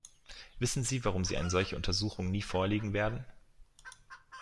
Wissen Sie, warum Sie eine solche Untersuchung nie vorlegen werden?